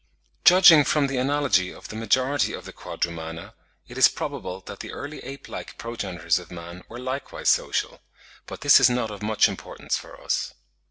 Judging from the analogy of the majority of the Quadrumana, it is probable that the early ape like progenitors of man were likewise social; but this is not of much importance for us.